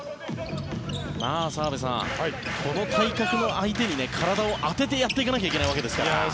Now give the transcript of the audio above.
澤部さん、この体格の相手に体を当ててやっていかなきゃいけないわけですから。